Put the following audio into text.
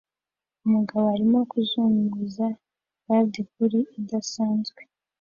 Umugabo arimo kuzunguza padi kuri idasanzwe